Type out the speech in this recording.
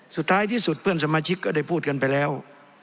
สุดท้ายที่สุดเพื่อนสมาชิกก็ได้พูดกันไปแล้ว